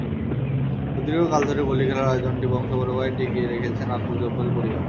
সুদীর্ঘ কাল ধরে বলীখেলার আয়োজনটি বংশপরম্পরায় টিকিয়ে রেখেছেন আবদুল জব্বারের পরিবার।